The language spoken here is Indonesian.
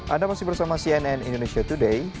anda masih bersama cnn indonesia today